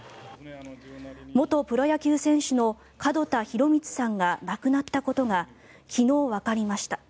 元プロ野球選手の門田博光さんが亡くなったことが昨日、わかりました。